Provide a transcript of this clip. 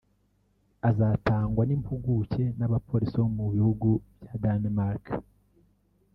Azatangwa n’impuguke z’Abapolisi bo mu bihugu bya Danmark